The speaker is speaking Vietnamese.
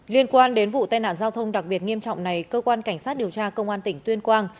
liên quan đến vụ tai nạn giao thông đặc biệt nghiêm trọng này cơ quan cảnh sát điều tra công an tỉnh tuyên quang